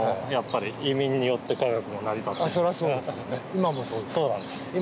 今もそうですから。